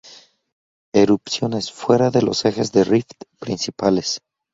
Erupciones fuera de los ejes de rift principales.